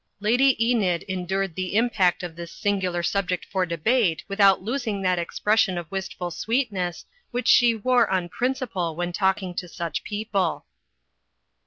Lady Enid endured the im pact of this singular subject for debate without losing that expression of wistful sweetness which she wore on principle when talking to such people.